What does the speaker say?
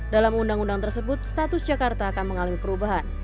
dalam undang undang tersebut status jakarta akan mengalami perubahan